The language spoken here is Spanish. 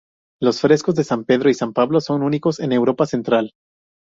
Los frescos de San Pedro y San Pablo son únicos en Europa Central.